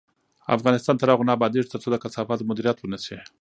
افغانستان تر هغو نه ابادیږي، ترڅو د کثافاتو مدیریت ونشي.